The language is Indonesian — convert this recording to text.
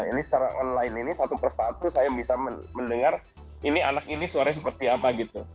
ini secara online ini satu persatu saya bisa mendengar ini anak ini suaranya seperti apa gitu